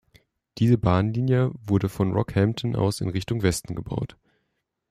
Diese Bahnlinie wurde von Rockhampton aus in Richtung Westen gebaut.